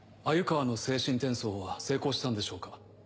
鮎川の精神転送は成功したんでしょうか？